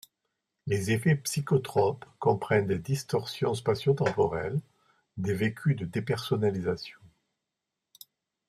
Les effets psychotropes comprennent des distorsions spatio-temporelles, des vécus de dépersonnalisation.